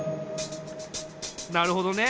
なるほどね。